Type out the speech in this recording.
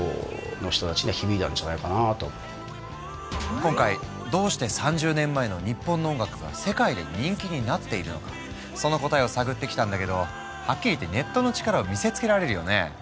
今回どうして３０年前の日本の音楽が世界で人気になっているのかその答えを探ってきたんだけどはっきり言ってネットの力を見せつけられるよね。